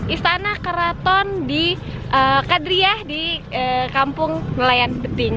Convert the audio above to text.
istana keraton di kadriah di kampung nelayan beting